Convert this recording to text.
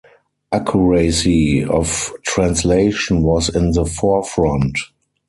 Accuracy of translation was in the forefront.